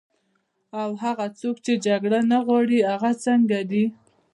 او هغه څوک چې جګړه نه غواړي، هغه څنګه دي؟